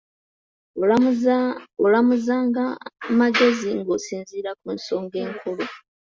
Olamuzanga magezi ng’osinziira ku nsonga enkulu.